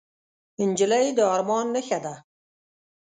نجلۍ د ارمان نښه ده.